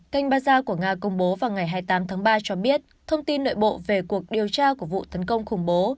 kênh baza của nga công bố vào ngày hai mươi tám tháng ba cho biết thông tin nội bộ về cuộc điều tra của vụ tấn công khủng bố